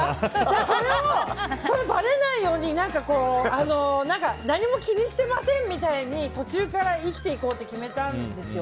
それがばれないように何も気にしてませんみたいに途中から生きていこうと決めたんですよ。